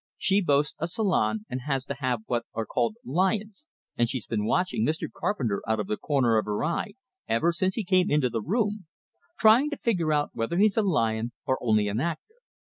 "She boasts a salon, and has to have what are called lions, and she's been watching Mr. Carpenter out of the corner of her eye ever since he came into the room trying to figure out whether he's a lion, or only an actor.